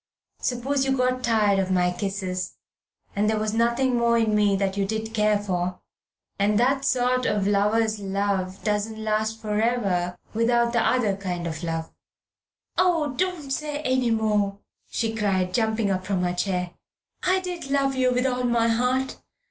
Suppose you got tired of my kisses, and there was nothing more in me that you did care for. And that sort of ... lover's love doesn't last for ever without the other kind of love " "Oh, don't say any more," she cried, jumping up from her chair. "I did love you with all my heart.